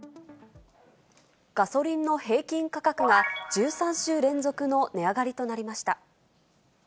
ガソリンの平均価格が１３週連続の値上がりとなりました。